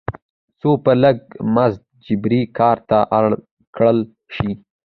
څو په لږ مزد جبري کار ته اړ کړل شي.